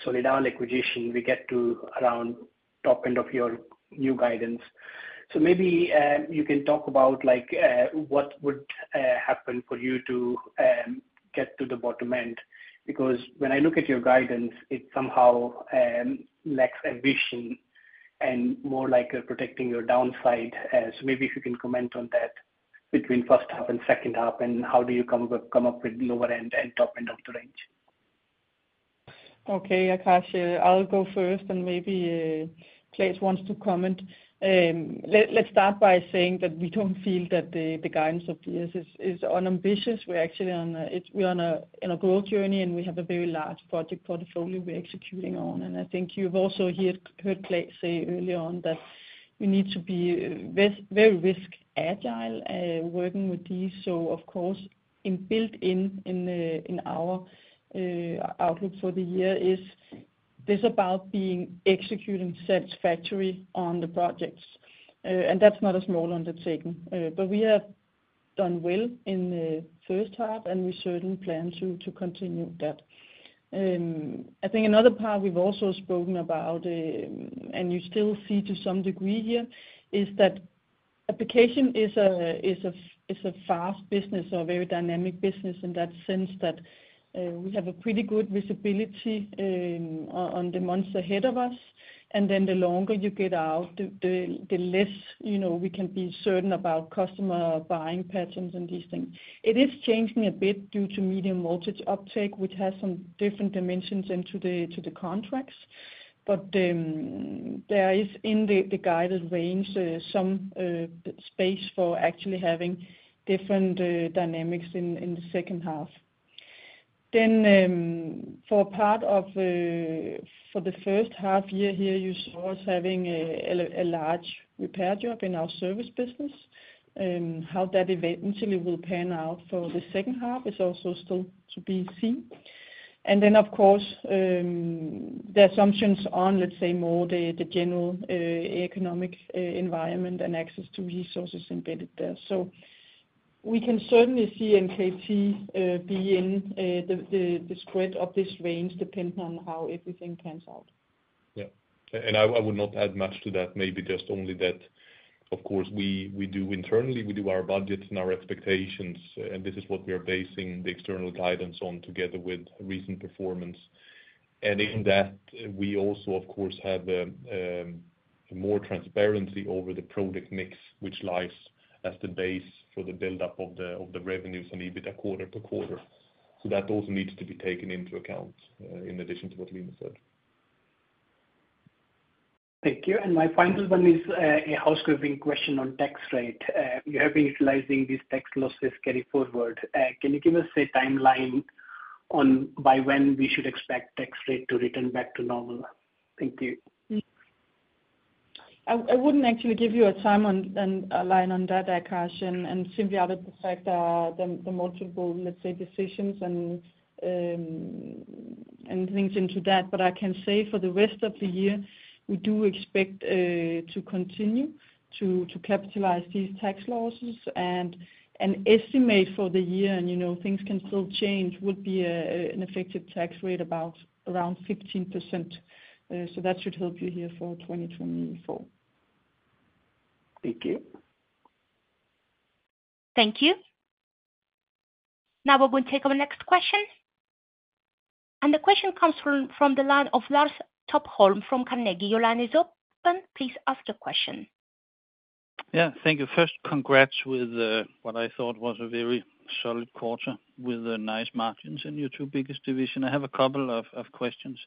Solidal acquisition, we get to around top end of your new guidance. So maybe you can talk about, like, what would happen for you to get to the bottom end? Because when I look at your guidance, it somehow lacks ambition and more like you're protecting your downside. So maybe if you can comment on that between first half and second half, and how do you come up with, come up with lower end and top end of the range? Okay, Akash, I'll go first, and maybe Claes wants to comment. Let's start by saying that we don't feel that the guidance of this is unambitious. We're actually on a growth journey, and we have a very large project portfolio we're executing on. And I think you've also heard Claes say early on that we need to be very risk agile working with these. So of course, inbuilt in our outlook for the year is this about executing satisfactorily on the projects, and that's not a small undertaking. But we have done well in the first half, and we certainly plan to continue that. I think another part we've also spoken about, and you still see to some degree here, is that application is a fast business or a very dynamic business in that sense that we have a pretty good visibility on the months ahead of us, and then the longer you get out, the less, you know, we can be certain about customer buying patterns and these things. It is changing a bit due to medium voltage uptake, which has some different dimensions into the contracts, but there is in the guided range some space for actually having different dynamics in the second half. Then, for part of the first half year here, you saw us having a large repair job in our Service business. How that eventually will pan out for the second half is also still to be seen. And then, of course, the assumptions on, let's say, more the general economic environment and access to resources embedded there. So we can certainly see NKT be in the spread of this range, depending on how everything pans out. Yeah. And I would not add much to that, maybe just only that. Of course, we do internally our budgets and our expectations, and this is what we are basing the external guidance on together with recent performance. And in that, we also of course have more transparency over the product mix, which lies as the base for the buildup of the revenues and EBITDA quarter to quarter. So that also needs to be taken into account in addition to what Line said. Thank you. And my final one is, a housekeeping question on tax rate. You have been utilizing these tax losses carry forward. Can you give us a timeline on by when we should expect tax rate to return back to normal? Thank you. I wouldn't actually give you a time on a line on that, Akash, and simply out of the fact, the multiple, let's say, decisions and things into that. But I can say for the rest of the year, we do expect to continue to capitalize these tax losses and estimate for the year, and, you know, things can still change, would be an effective tax rate about around 15%. So that should help you here for 2024. Thank you. Thank you. Now we will take our next question, and the question comes from, from the line of Lars Topholm, from Carnegie. Your line is open. Please ask the question. Yeah, thank you. First, congrats with what I thought was a very solid quarter with nice margins in your two biggest division. I have a couple of questions.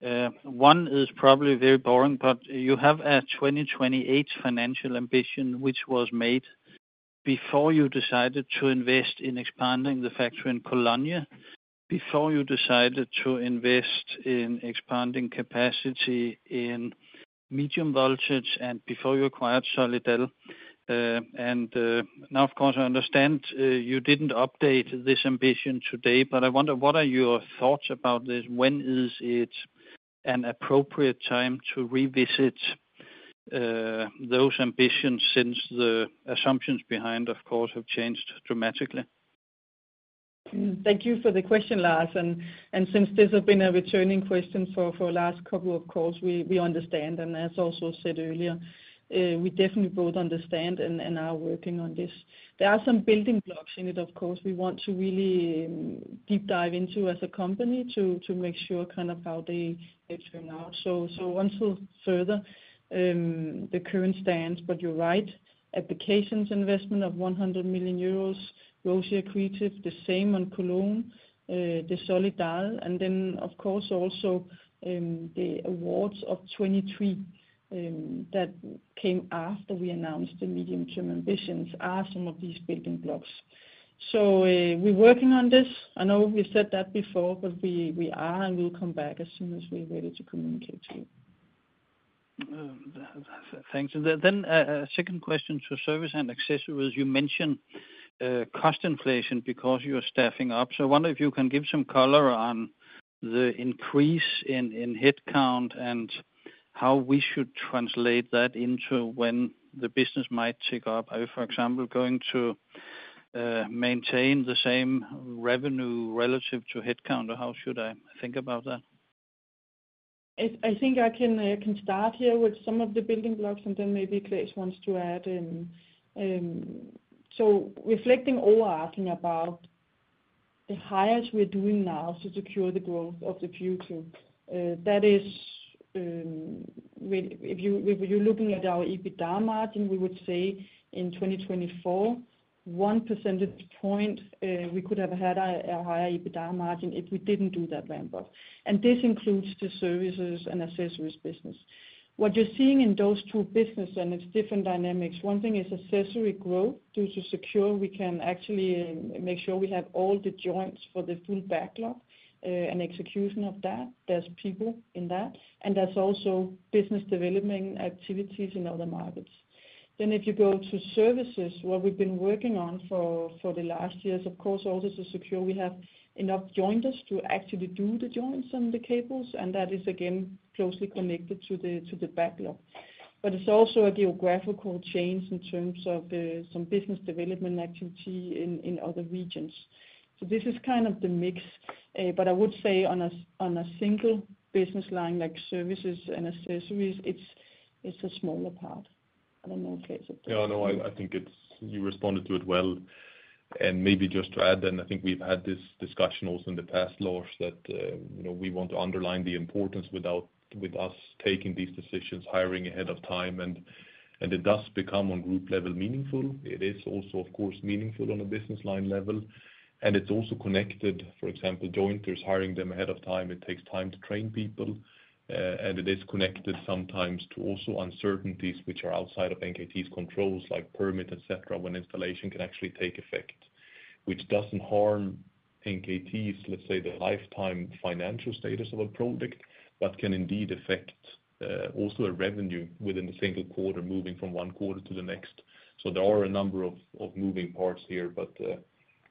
One is probably very boring, but you have a 2028 financial ambition, which was made before you decided to invest in expanding the factory in Cologne, before you decided to invest in expanding capacity in medium voltage, and before you acquired Solidal. And now, of course, I understand you didn't update this ambition today, but I wonder, what are your thoughts about this? When is it an appropriate time to revisit those ambitions since the assumptions behind, of course, have changed dramatically? Thank you for the question, Lars, and since this has been a returning question for last couple of calls, we understand. And as also said earlier, we definitely both understand and are working on this. There are some building blocks in it, of course, we want to really deep dive into as a company to make sure kind of how they turn out. So until further, the current stands, but you're right, Applications investment of 100 million euros, ROCE accretive, the same on Cologne, the Solidal, and then of course, also, the awards of 2023 that came after we announced the medium-term ambitions are some of these building blocks. So, we're working on this. I know we said that before, but we are, and we'll come back as soon as we're ready to communicate to you. Thanks. Then, a second question to Service and Accessories. You mentioned cost inflation because you are staffing up. So I wonder if you can give some color on the increase in headcount and how we should translate that into when the business might tick up. Are you, for example, going to maintain the same revenue relative to headcount, or how should I think about that? I think I can start here with some of the building blocks, and then maybe Claes wants to add in. So reflecting overarching about the hires we're doing now to secure the growth of the future, that is, if you, if you're looking at our EBITDA margin, we would say in 2024, one percentage point, we could have had a higher EBITDA margin if we didn't do that ramp-up. And this includes the Services and Accessories business. What you're seeing in those two business, and it's different dynamics, one thing is accessory growth. Due to secure, we can actually make sure we have all the joints for the full backlog, and execution of that. There's people in that, and there's also business development activities in other markets. Then if you go to Services, what we've been working on for the last years, of course, all this is secure. We have enough jointers to actually do the joints on the cables, and that is, again, closely connected to the backlog. But it's also a geographical change in terms of some business development activity in other regions. So this is kind of the mix, but I would say on a single business line, like Services and Accessories, it's a smaller part. I don't know, Claes. Yeah, no, I, I think it's- you responded to it well. And maybe just to add, and I think we've had this discussion also in the past, Lars, that, you know, we want to underline the importance without- with us taking these decisions, hiring ahead of time, and, and it does become, on group level, meaningful. It is also, of course, meaningful on a business line level, and it's also connected, for example, jointers hiring them ahead of time. It takes time to train people, and it is connected sometimes to also uncertainties which are outside of NKT's controls, like permit, et cetera, when installation can actually take effect, which doesn't harm NKT's, let's say, the lifetime financial status of a project, but can indeed affect, also a revenue within a single quarter, moving from one quarter to the next. There are a number of moving parts here, but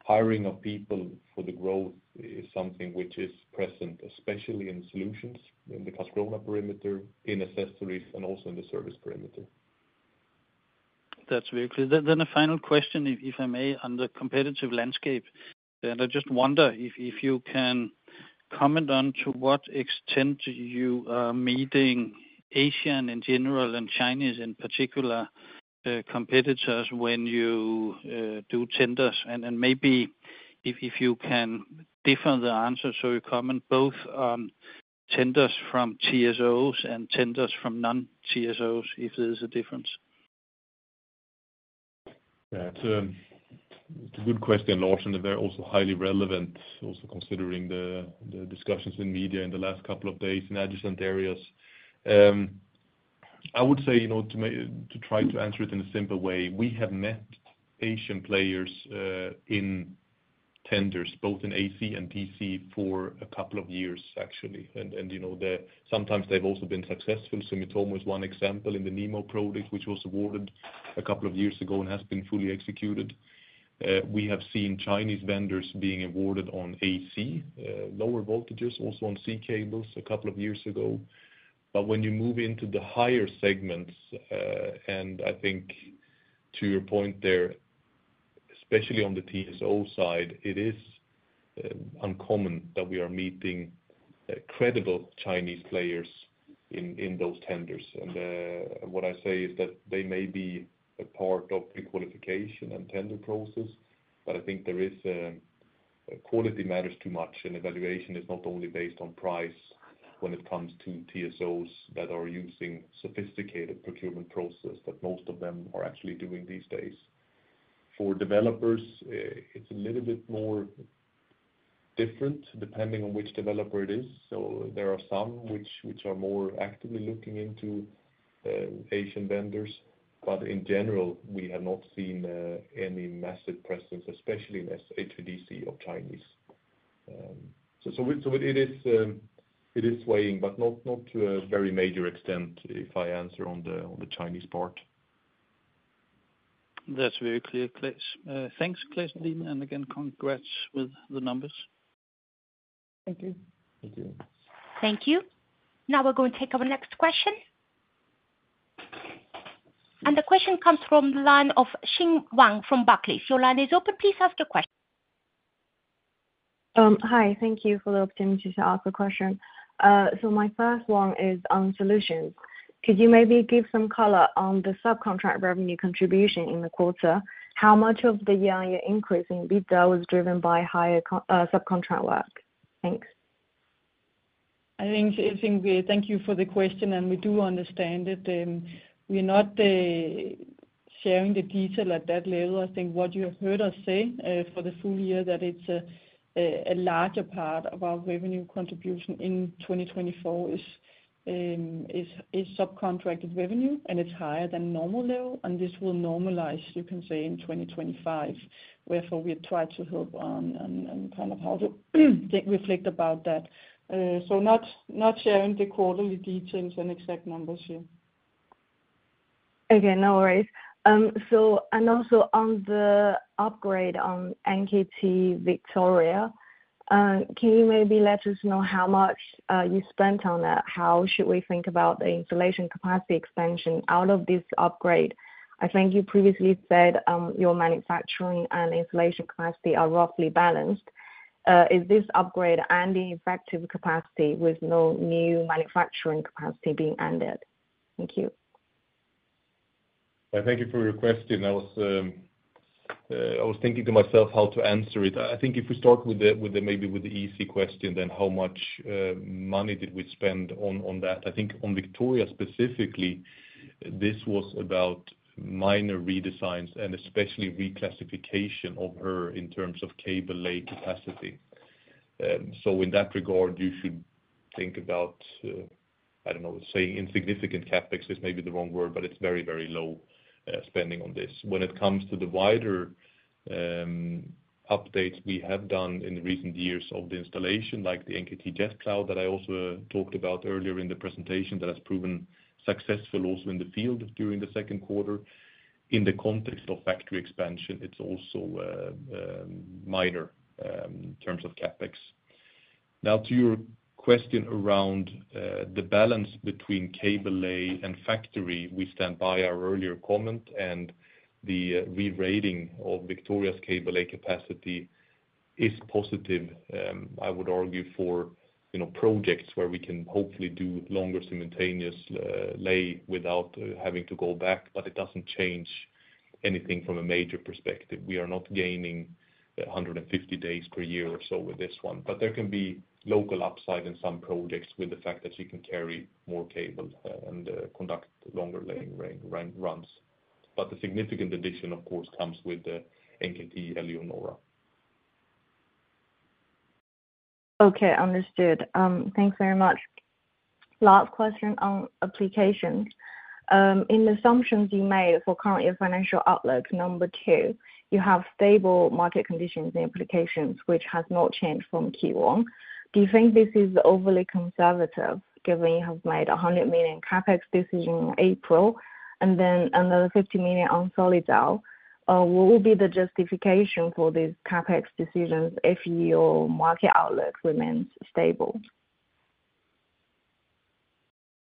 hiring of people for the growth is something which is present, especially in solutions, in the Karlskrona perimeter, in Accessories, and also in the Service perimeter. That's very clear. Then a final question, if I may, on the competitive landscape. I just wonder if you can comment on to what extent you are meeting Asian, in general, and Chinese, in particular, competitors when you do tenders. And maybe if you can differ the answer, so you comment both on tenders from TSOs and tenders from non-TSOs, if there's a difference. Yeah, it's a good question, Lars, and they're also highly relevant, also considering the discussions in media in the last couple of days in adjacent areas. I would say, you know, to try to answer it in a simple way, we have met Asian players in tenders, both in AC and DC, for a couple of years, actually. And, you know, they sometimes have also been successful. Sumitomo is one example in the Nemo project, which was awarded a couple of years ago and has been fully executed. We have seen Chinese vendors being awarded on AC lower voltages, also on sea cables a couple of years ago. But when you move into the higher segments, and I think to your point there, especially on the TSO side, it is uncommon that we are meeting credible Chinese players in those tenders. And what I say is that they may be a part of the qualification and tender process, but I think there is quality matters too much, and evaluation is not only based on price when it comes to TSOs that are using sophisticated procurement process that most of them are actually doing these days. For developers, it's a little bit more different, depending on which developer it is. So there are some which are more actively looking into Asian vendors, but in general, we have not seen any massive presence, especially in this HVDC of Chinese. So it is weighing, but not to a very major extent, if I answer on the Chinese part. That's very clear, Claes. Thanks, Claes, and again, congrats with the numbers. Thank you. Thank you. Thank you. Now we're going to take our next question. The question comes from the line of Xin Wang from Barclays. Your line is open. Please ask the question. Hi. Thank you for the opportunity to ask a question. So my first one is on Solutions. Could you maybe give some color on the subcontract revenue contribution in the quarter? How much of the year-on-year increase in EBITDA was driven by higher subcontract work? Thanks. I think we thank you for the question, and we do understand it. We're not sharing the detail at that level. I think what you have heard us say for the full year, that it's a larger part of our revenue contribution in 2024 is subcontracted revenue, and it's higher than normal level, and this will normalize, you can say, in 2025, where we try to help and kind of how to reflect about that. So not sharing the quarterly details and exact numbers here. Okay, no worries. So, and also on the upgrade on NKT Victoria, can you maybe let us know how much, you spent on that? How should we think about the installation capacity expansion out of this upgrade? I think you previously said, your manufacturing and installation capacity are roughly balanced. Is this upgrade adding effective capacity with no new manufacturing capacity being added? Thank you. Thank you for your question. I was, I was thinking to myself how to answer it. I think if we start with the, with the, maybe with the easy question, then how much, money did we spend on, on that? I think on Victoria, specifically, this was about minor redesigns and especially reclassification of her in terms of cable lay capacity. So in that regard, you should think about, I don't know, saying insignificant CapEx is maybe the wrong word, but it's very, very low, spending on this. When it comes to the wider, updates we have done in the recent years of the installation, like the NKT Jet Plow, that I also talked about earlier in the presentation, that has proven successful also in the field during the second quarter. In the context of factory expansion, it's also minor in terms of CapEx. Now, to your question around the balance between cable lay and factory, we stand by our earlier comment, and the re-rating of Victoria's cable lay capacity is positive. I would argue for, you know, projects where we can hopefully do longer simultaneous lay without having to go back, but it doesn't change anything from a major perspective. We are not gaining 150 days per year or so with this one, but there can be local upside in some projects with the fact that you can carry more cable and conduct longer laying runs. But the significant addition, of course, comes with the NKT Eleonora. Okay, understood. Thanks very much. Last question on Applications. In the assumptions you made for current year financial outlook, number two, you have stable market conditions and Applications, which has not changed from Q1. Do you think this is overly conservative, given you have made a 100 million CapEx decision in April, and then another 50 million on Solidal? What will be the justification for these CapEx decisions if your market outlook remains stable?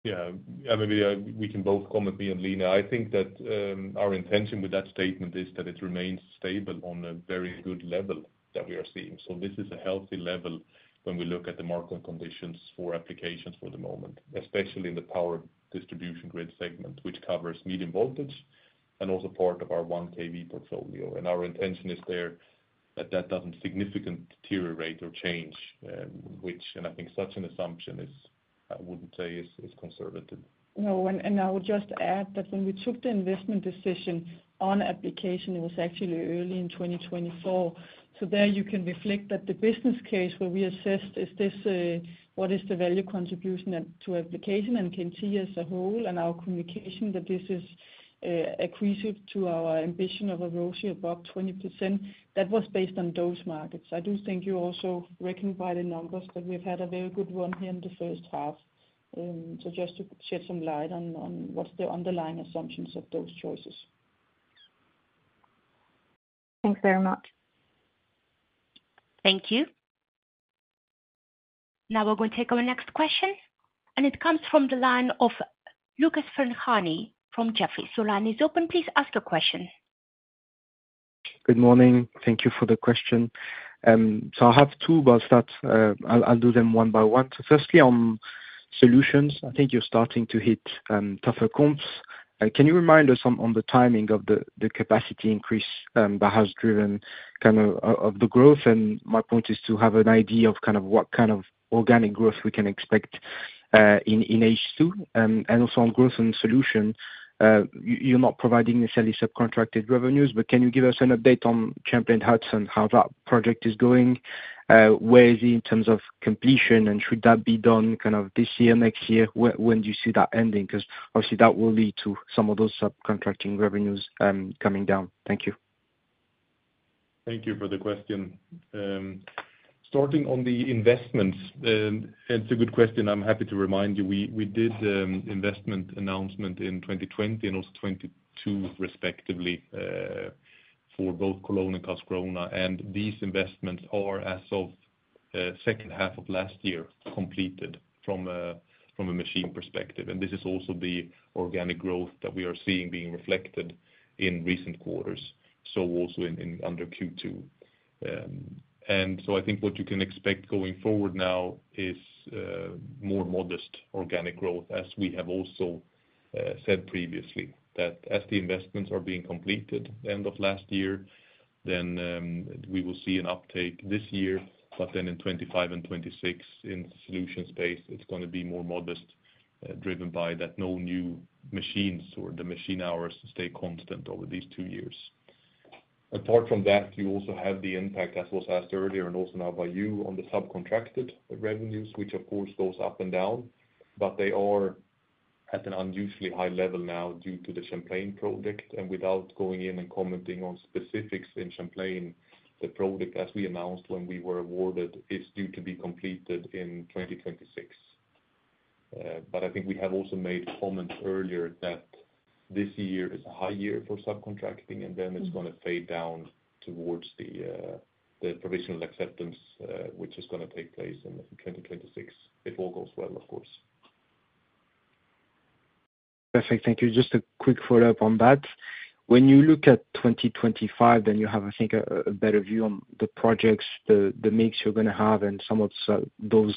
Yeah, and maybe we can both comment, me and Line. I think that our intention with that statement is that it remains stable on a very good level that we are seeing. So this is a healthy level when we look at the market conditions for Applications for the moment, especially in the power distribution grid segment, which covers medium voltage and also part of our 1 kV portfolio. And our intention is there, that that doesn't significant deteriorate or change, and I think such an assumption is. I wouldn't say is conservative. No, and I would just add that when we took the investment decision on Applications, it was actually early in 2024. So there you can reflect that the business case where we assessed, is this a, what is the value contribution to Applications and Solutions as a whole, and our communication that this is accretive to our ambition of a ROCE above 20%. That was based on those markets. I do think you also recognize the numbers, but we've had a very good run here in the first half. So just to shed some light on what's the underlying assumptions of those choices. Thanks very much. Thank you. Now we're going to take our next question, and it comes from the line of Lucas Ferhani from Jefferies. So line is open. Please ask your question. Good morning. Thank you for the question. So I have two, but I'll start, I'll do them one by one. So firstly, on Solutions, I think you're starting to hit tougher comps. Can you remind us on the timing of the capacity increase that has driven kind of the growth? And my point is to have an idea of kind of what kind of organic growth we can expect in H2. And also on growth and Solutions, you're not providing necessarily subcontracted revenues, but can you give us an update on Champlain Hudson, how that project is going? Where is it in terms of completion, and should that be done kind of this year, next year? When do you see that ending? Because obviously, that will lead to some of those subcontracting revenues, coming down. Thank you. Thank you for the question. Starting on the investments, it's a good question. I'm happy to remind you, we did investment announcement in 2020 and also 2022, respectively, for both Cologne and Karlskrona. And these investments are, as of, second half of last year, completed from a, from a machine perspective. And this is also the organic growth that we are seeing being reflected in recent quarters, so also in under Q2. And so I think what you can expect going forward now is more modest organic growth, as we have also said previously, that as the investments are being completed end of last year, then we will see an uptake this year, but then in 25 and 26, in solution space, it's gonna be more modest, driven by that no new machines or the machine hours stay constant over these two years. Apart from that, you also have the impact, as was asked earlier, and also now by you, on the subcontracted revenues, which of course goes up and down, but they are at an unusually high level now due to the Champlain project. And without going in and commenting on specifics in Champlain, the project, as we announced when we were awarded, is due to be completed in 2026. But I think we have also made comments earlier that this year is a high year for subcontracting, and then it's gonna fade down towards the provisional acceptance, which is gonna take place in 2026, if all goes well, of course. Perfect. Thank you. Just a quick follow-up on that. When you look at 2025, then you have, I think, a better view on the projects, the mix you're gonna have and some of those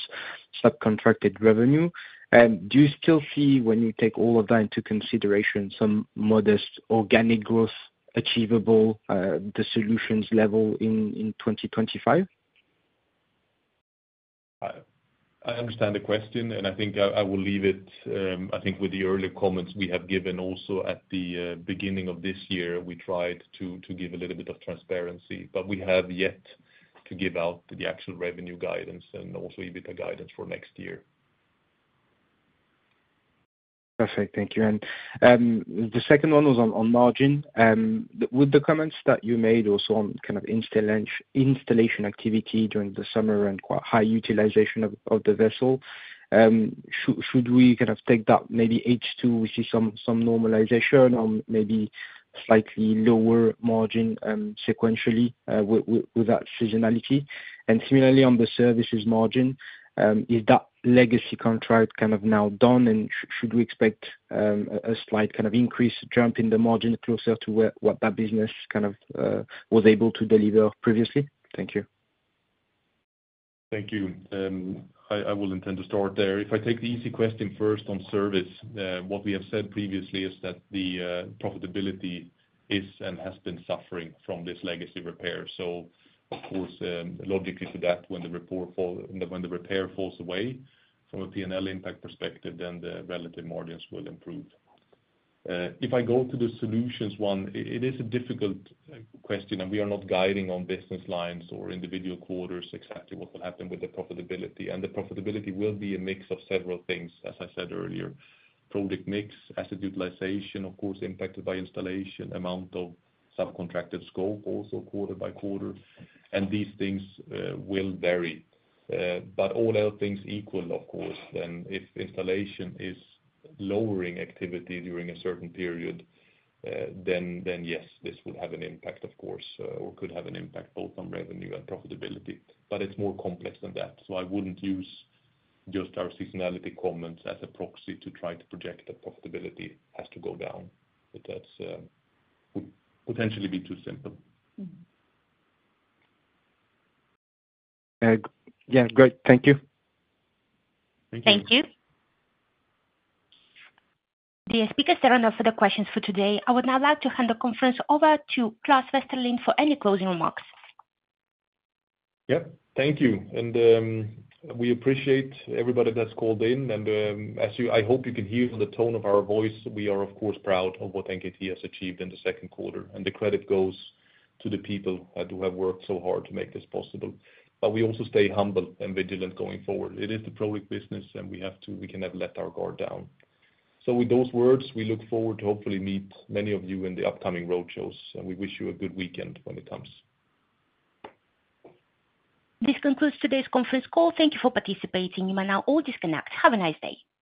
subcontracted revenue. Do you still see, when you take all of that into consideration, some modest organic growth achievable, the Solutions level in 2025? I understand the question, and I think I will leave it. I think with the earlier comments we have given also at the beginning of this year, we tried to give a little bit of transparency. But we have yet to give out the actual revenue guidance and also EBITDA guidance for next year. Perfect. Thank you. And the second one was on margin. With the comments that you made also on kind of installation activity during the summer and quite high utilization of the vessel, should we kind of take that maybe H2, we see some normalization or maybe slightly lower margin sequentially with that seasonality? And similarly, on the Services margin, is that legacy contract kind of now done, and should we expect a slight kind of increase, jump in the margin closer to where what that business kind of was able to deliver previously? Thank you. Thank you. I will intend to start there. If I take the easy question first on Service, what we have said previously is that the profitability is and has been suffering from this legacy repair. So of course, logically to that, when the repair falls away from a P&L impact perspective, then the relative margins will improve. If I go to the Solutions one, it is a difficult question, and we are not guiding on business lines or individual quarters, exactly what will happen with the profitability. And the profitability will be a mix of several things, as I said earlier, product mix, asset utilization, of course, impacted by installation, amount of subcontracted scope, also quarter by quarter, and these things will vary. But all other things equal, of course, then if installation is lowering activity during a certain period, then yes, this will have an impact, of course, or could have an impact both on revenue and profitability. But it's more complex than that, so I wouldn't use just our seasonality comments as a proxy to try to project the profitability has to go down. But that would potentially be too simple. Yeah, great. Thank you. Thank you. [crosstalk] Thank you. Dear speakers, there are no further questions for today. I would now like to hand the conference over to Claes Westerlind for any closing remarks. Yep, thank you. And, we appreciate everybody that's called in. And, I hope you can hear from the tone of our voice, we are of course, proud of what NKT has achieved in the second quarter, and the credit goes to the people, who have worked so hard to make this possible. But we also stay humble and vigilant going forward. It is the product business, and we have to, we can never let our guard down. So with those words, we look forward to hopefully meet many of you in the upcoming roadshows, and we wish you a good weekend when it comes. This concludes today's conference call. Thank you for participating. You may now all disconnect. Have a nice day.